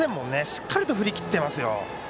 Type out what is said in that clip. しっかり振りきっていますよ。